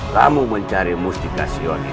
kamu mencari mustika sion itu